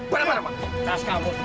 bapak melayu pak